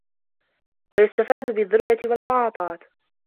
وَيُسْتَفَادَ بِالدُّرْبَةِ وَالْمُعَاطَاةِ